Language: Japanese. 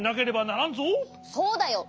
そうだよ。